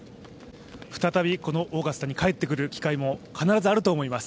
再びこのオーガスタに入ってくる機会も必ずあると思います。